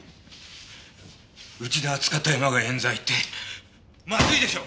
うちで扱ったヤマが冤罪ってまずいでしょ！